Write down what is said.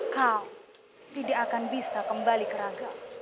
kau tidak akan bisa kembali ke raga